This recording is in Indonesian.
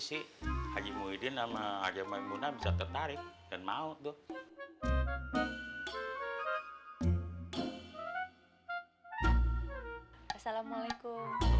hai haji muhyiddin nama ada maemunah bisa tertarik dan mau tuh assalamualaikum